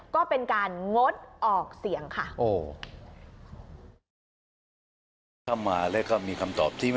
ก็เป็นการงดออกเสียงค่ะ